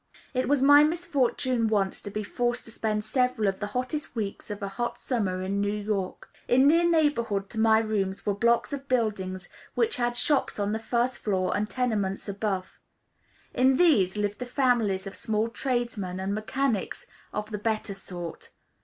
It was my misfortune once to be forced to spend several of the hottest weeks of a hot summer in New York. In near neighborhood to my rooms were blocks of buildings which had shops on the first floor and tenements above. In these lived the families of small tradesmen, and mechanics of the better sort.